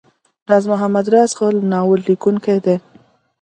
راز محمد راز ښه ناول ليکونکی دی.